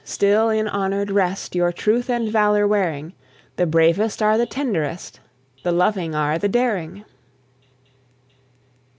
still in honoured rest Your truth and valour wearing: The bravest are the tenderest, The loving are the daring.